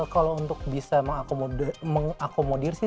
kalau untuk bisa mengakomodir sih